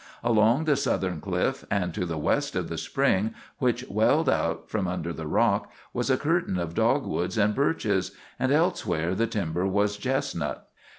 Along the southern cliff, and to the west of the spring which welled out from under the rock, was a curtain of dogwoods and birches, and elsewhere the timber was chestnut.